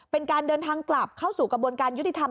เป็นการเดินทางกลับเข้าสู่กระบวนการยุติธรรม